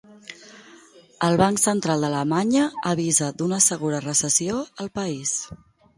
El banc central d'Alemanya avisa d'una segura recessió al país.